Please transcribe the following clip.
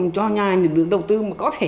cho nhà nhà nước đầu tư mà có thể